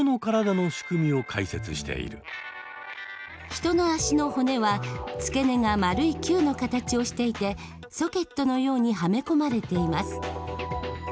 人の足の骨は付け根が丸い球の形をしていてソケットのようにはめ込まれています。